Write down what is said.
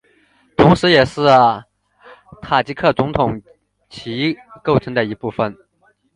同时也是塔吉克总统旗构成的一部分